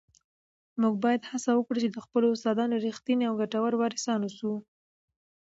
موږ باید هڅه وکړو چي د خپلو استادانو رښتیني او ګټور وارثان واوسو.